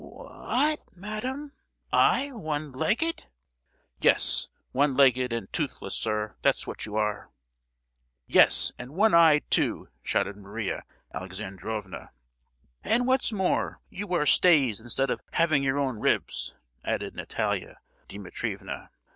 "Wha—at, madam, I one legged?" "Yes—one legged and toothless, sir; that's what you are!" "Yes, and one eyed too!" shouted Maria Alexandrovna. "And what's more, you wear stays instead of having your own ribs!" added Natalia Dimitrievna.